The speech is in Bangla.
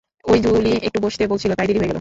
ঐ জুলি একটু বসতে বলছিল, তাই দেরি হয়ে গেল।